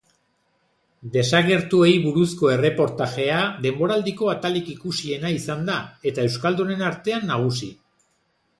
Desagertuei buruzko erreportajea denboraldiko atalik ikusiena izan da, eta euskaldunen artean nagusi.